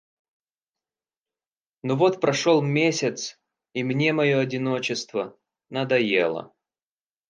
Но вот прошёл месяц и мне моё одиночество надоело.